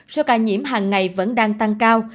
so với ca nhiễm hàng ngày vẫn đang tăng cao